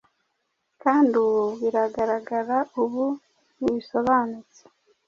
Kandi ubu biragaragara, ubu ntibisobanutse,